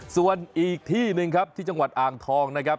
ส่วนอีกที่หนึ่งครับที่จังหวัดอ่างทองนะครับ